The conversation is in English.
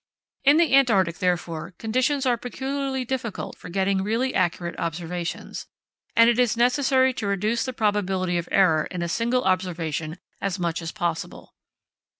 In the Antarctic, therefore, conditions are peculiarly difficult for getting really accurate observations, and it is necessary to reduce the probability of error in a single observation as much as possible.